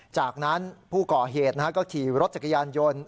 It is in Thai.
จากนั้นผู้ก่อเหตุก็ขี่รถจักรยานยนต์